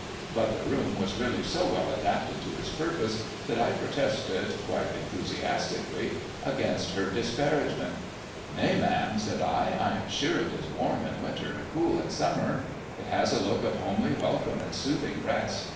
But the room was really so well adapted to its purpose that I protested, quite enthusiastically, against her disparagement. ' Nay, ma'am,' said I, ' I am sure it is warm in winter and cool in summer. It has a look of homely welcome and soothing rest.